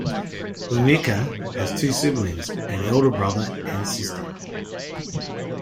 Bhumika has two siblings, an elder brother and sister.